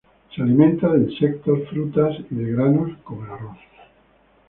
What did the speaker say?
Se alimenta de insectos, frutas y de granos como el arroz.